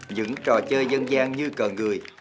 những trò chơi dân gian như cờ người